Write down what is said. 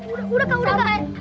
udah kak udah kak